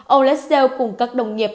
ông lessell cùng các đồng nghiệp